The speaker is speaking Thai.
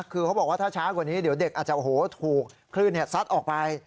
คือเขาบอกว่าถ้าช้ากว่านี้เดี๋ยวเด็กอาจจะถูกคลื่นซัดออกไป